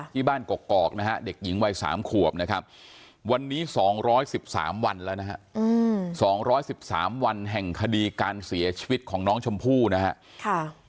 กอกนะฮะเด็กหญิงวัย๓ขวบนะครับวันนี้๒๑๓วันแล้วนะฮะ๒๑๓วันแห่งคดีการเสียชีวิตของน้องชมพู่นะครับ